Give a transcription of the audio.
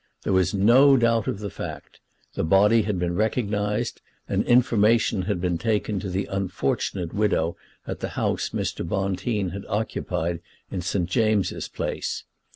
There was no doubt of the fact. The body had been recognised, and information had been taken to the unfortunate widow at the house Mr. Bonteen had occupied in St. James's Place.